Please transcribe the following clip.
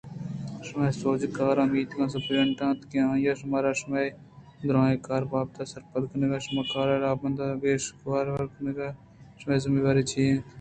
شمئے سوجکار میتگ ءِ سپرنٹنڈنٹ اِنت کہ آ شمارا شمئے دُرٛاہیں کار ءِ بابت ءَ سرپد کنت ءُشمئے کارءِ راہ ءُ رَہبنداں گیش ءُ گیوار کنت کہ شمئے ذمہ واری چے اِنت